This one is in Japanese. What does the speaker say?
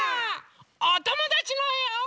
おともだちのえを。